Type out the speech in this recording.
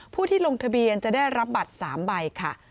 ผู้ที่ลงทะเบียนจะได้รับบัตร๓ใบค่ะ